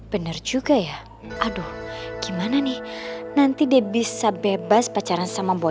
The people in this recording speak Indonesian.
benar juga ya aduh gimana nih nanti dia bisa bebas pacaran sama buah